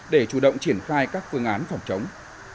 để chủ động triển khai các phương án phòng chống